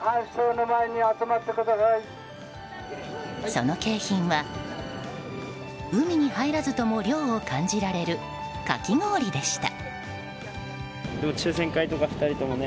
その景品は、海に入らずとも涼を感じられるかき氷でした。